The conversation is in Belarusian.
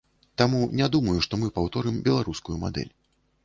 Таму не думаю, што мы паўторым беларускую мадэль.